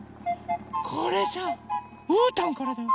これさうーたんからだよ！